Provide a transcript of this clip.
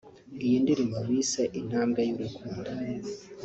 Iyi ndirimbo bise “Intambwe y’urukundo”